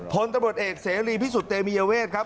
พลตำรวจเอกเสรีพิสุทธิเตมียเวทครับ